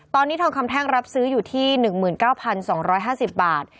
ตอนนี้ทองคำแท่งรับซื้ออยู่ที่๑๙๒๕๐บาท